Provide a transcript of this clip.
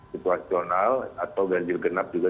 situasional atau yang digenap juga